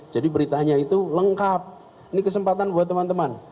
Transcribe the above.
jadi beritanya itu lengkap ini kesempatan buat teman teman